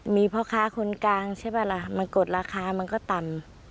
มีพ่อค้าคนกลางใช่ป่ะล่ะมันกดราคามันก็ต่ำ